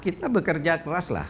kita bekerja keras lah